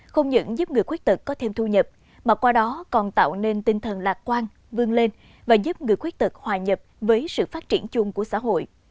không những giúp người khuyết tật có thêm thu nhập mà qua đó còn tạo nên tinh thần lạc quan vương lên và giúp người khuyết tật hòa nhập với sự phát triển chung của xã hội